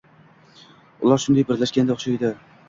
Ular shunday birlashganga o‘xshaydi.